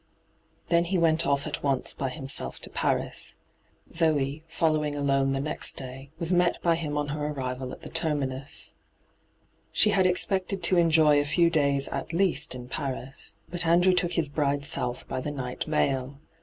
Then he went off at once by himself to Paris. Zoe, following alone the next day, was met by him on her arrival at the terminus. I D,gt,, 6rtbyGOOglC I40 ENTRAPPED She had expected to enjoy a few days at least in Paris. But Andrew took his bride south by the night mail.